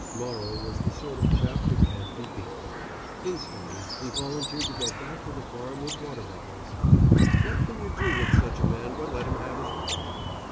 Morrow was the sort of chap who can't be beaten. Instantly he volunteered to go back to the farm with water bottles. What can you do with such a man but let him have his way?